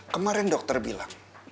kemarin dokter bilang